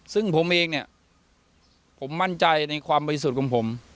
ซึ่งผมเองเนี่ยผมมั่นใจในความบริสุทธิ์ของผม